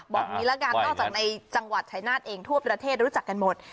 อย่างนี้ละกันนอกจากในจังหวัดชายนาฏเองทั่วประเทศรู้จักกันหมด